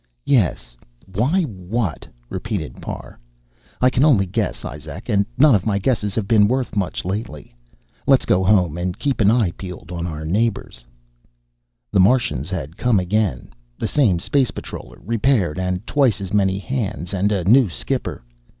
"Yes, why what?" repeated Parr. "I can only guess, Izak, and none of my guesses have been worth much lately. Let's go home, and keep an eye peeled on our neighbors." The Martians had come again the same space patroller, repaired, and twice as many hands and a new skipper.